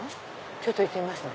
ちょっと行ってみますね。